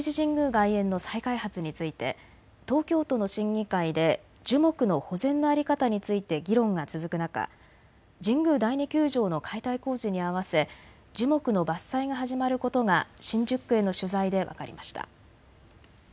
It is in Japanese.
外苑の再開発について東京都の審議会で樹木の保全の在り方について議論が続く中、神宮第二球場の解体工事に合わせ樹木の伐採が始まることが新宿区への取材で分かりました。